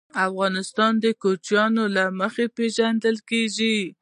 افغانستان د کوچیان له مخې پېژندل کېږي.